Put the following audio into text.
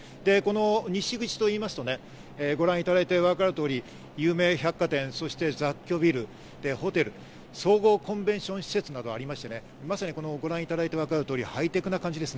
西口といいますとね、ご覧いただいてわかる通り、有名百貨店、そして雑居ビル、ホテル、総合コンベンション施設などがありまして、ご覧いただいてわかる通り、ハイテクな感じです。